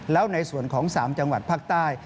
แล้วในส่วนของ๓จังหวัดภาคใต้